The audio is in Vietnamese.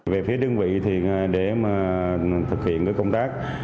về phía đơn vị để thực hiện công tác